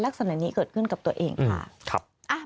ลักษณะนี้เกิดขึ้นกับตัวเองค่ะ